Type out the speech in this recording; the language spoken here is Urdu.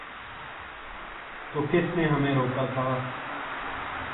تو کس نے ہمیں روکا تھا؟